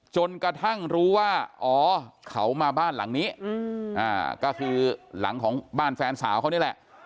จนกระทั่งรู้ว่าอ๋อเขามาบ้านหลังนี้ก็คือหลังของบ้านแฟนสาวเขานี่แหละ